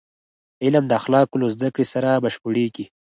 علم د اخلاقو له زدهکړې سره بشپړېږي.